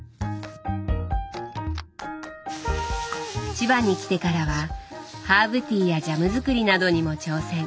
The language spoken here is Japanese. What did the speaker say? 千葉に来てからはハーブティーやジャム作りなどにも挑戦。